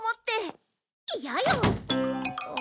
嫌よ！